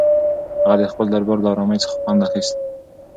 هغه د خپل دربار له ارامۍ څخه خوند اخیست.